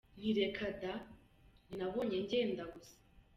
Nti reka da, nti nabonye ngenda gusa.